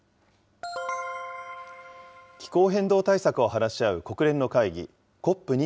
気候変動対策を話し合う国連の会議、ＣＯＰ２７。